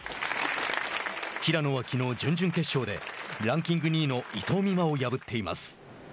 平野はきのう準々決勝でランキング２位の伊藤美誠を破っています。